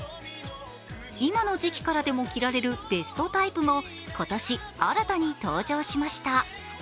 今の時期からでも着られるベストタイプも今年新たに登場しました。